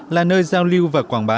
là nơi giao lưu và quảng bá